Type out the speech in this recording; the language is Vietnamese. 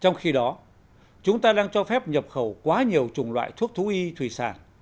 trong khi đó chúng ta đang cho phép nhập khẩu quá nhiều chủng loại thuốc thú y thùy sàn